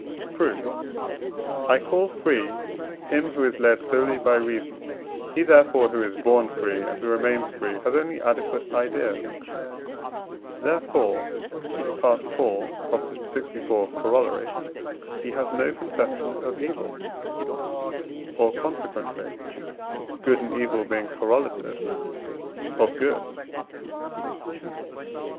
Proof. I call free him who is led solely by reason; he, therefore, who is born free, and who remains free, has only adequate ideas; therefore (IV. lxiv. Coroll.) he has no conception of evil, or consequently (good and evil being correlative) of good.